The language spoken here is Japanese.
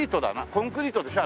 コンクリートでしょ？